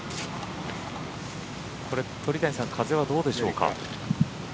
これ、鳥谷さん風はどうでしょうか？